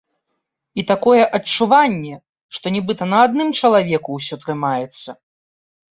І такое адчуванне, што нібыта на адным чалавеку ўсё трымаецца.